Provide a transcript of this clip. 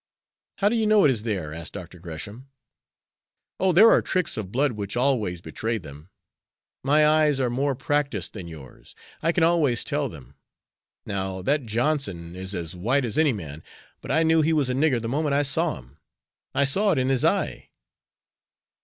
"How do you know it is there?" asked Dr. Gresham. "Oh, there are tricks of blood which always betray them. My eyes are more practiced than yours. I can always tell them. Now, that Johnson is as white as any man; but I knew he was a nigger the moment I saw him. I saw it in his eye."